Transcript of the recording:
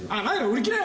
売り切れ？